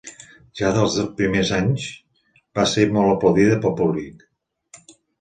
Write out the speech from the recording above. Ja des dels primers anys va ser molt aplaudida pel públic.